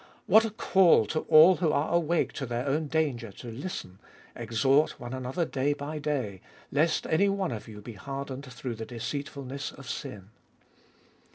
What a call to all who are awake to their own danger to listen, " Exhort one another day by day, lest any one of you be hardened through the deceitfulness of sin."